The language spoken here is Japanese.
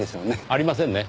ありませんね。